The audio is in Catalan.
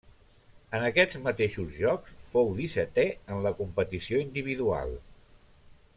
En aquests mateixos Jocs fou dissetè en la competició individual.